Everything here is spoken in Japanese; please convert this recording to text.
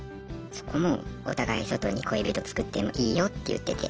そこもお互い外に恋人作ってもいいよって言ってて。